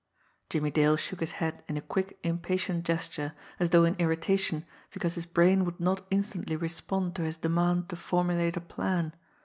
Jimmie Dale shook his head in a quick, impatient gesture, as though in irritation because his brain would not instantly respond to his demand to formulate a plan.